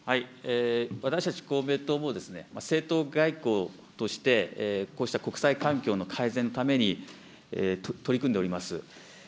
私たち公明党も、政党外交として、こうした国際環境の改善のために取り組んでおります。